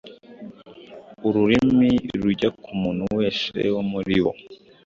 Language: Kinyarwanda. ururimi rujya ku muntu wese wo muri bo.